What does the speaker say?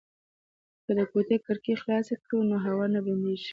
که د کوټې کړکۍ خلاصې کړو نو هوا نه بندیږي.